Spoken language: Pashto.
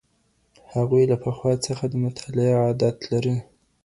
هغوی له پخوا څخه د مطالعې عادت لري.